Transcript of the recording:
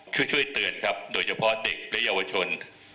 ช่วยเตือนครับโดยเฉพาะเด็กและเยาวชน